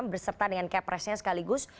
berserta dengan capresnya sekaligus